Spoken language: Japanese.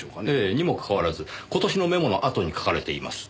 にもかかわらず今年のメモのあとに書かれています。